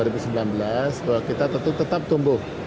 bahwa kita tetap tumbuh